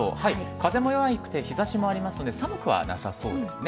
風も弱くて日差しもありますので寒くはなさそうですね。